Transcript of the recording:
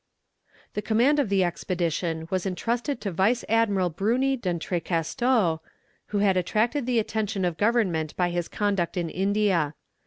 The command of the expedition was entrusted to Vice admiral Bruny d'Entrecasteaux, who had attracted the attention of government by his conduct in India.